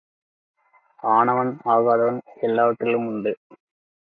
ஆனவன் ஆகாதவன் எல்லாவற்றிலும் உண்டு.